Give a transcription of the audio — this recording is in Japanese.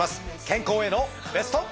健康へのベスト。